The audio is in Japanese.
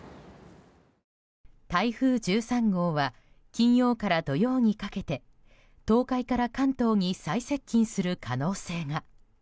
台風１３号は金曜から土曜にかけて東海から関東に最接近する可能性が。